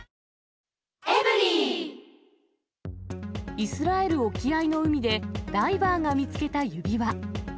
イスラエル沖合の海で、ダイバーが見つけた指輪。